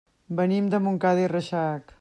Venim de Montcada i Reixac.